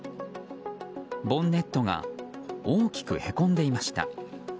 ボンネットが大きくへこんでいました。